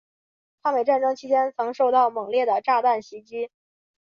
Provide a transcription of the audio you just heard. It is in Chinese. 抗美战争期间曾受到猛烈的炸弹袭击。